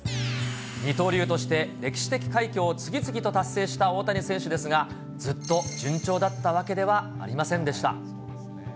二刀流として歴史的快挙を次々と達成した大谷選手ですが、ずっと順調だったわけではありませんでした。